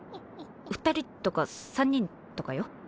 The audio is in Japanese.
２人とか３人とかよ。